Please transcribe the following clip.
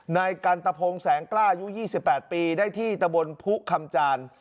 นายกันตะพงแสงกล้ายุ่งยี่สิบแปดปีได้ที่ตะวนภุคำจาน